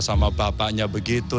sama bapaknya begitu